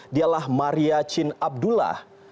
dialah maria chin abdullah